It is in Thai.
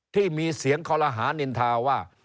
ที่มีเสียงคอลหานินทาว่า